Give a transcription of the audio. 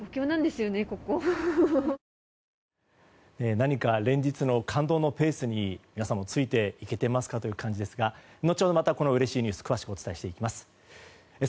何か連日の感動のペースに皆さんもついていけてますか？という感じですがのちほどまたこのうれしいニュース